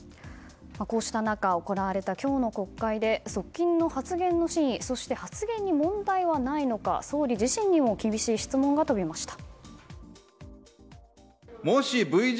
こうした中行われた今日の国会で側近の発言の真意そして、発言に問題はないのか総理自身にも厳しい質問が飛びました。